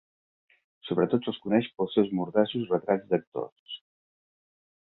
Sobretot se'l coneix pels seus mordaços retrats d'actors.